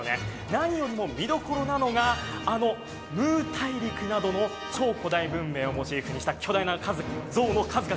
何よりも見どころなのが、あのムー大陸などの超古代文明をモチーフにした巨大な像の数々。